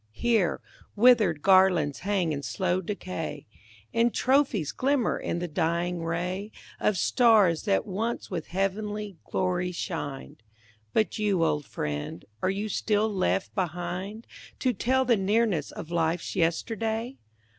Here, withered garlands hang in slow decay. And trophies glimmer in the dying ray Of stars that once with heavenly glory shined. 280 THE FALLEN But you, old friend, are you still left behind To tell the nearness of life's yesterday?